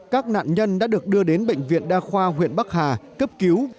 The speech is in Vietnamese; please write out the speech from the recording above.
các nạn nhân đã được đưa đến bệnh viện đa khoa huyện bắc hà cấp cứu